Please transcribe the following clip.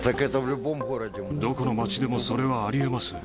どこの町でもそれはありえます。